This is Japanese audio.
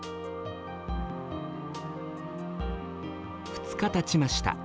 ２日たちました。